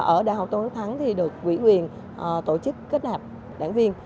ở đh tân thắng thì được quỹ quyền tổ chức kết nạp đảng viên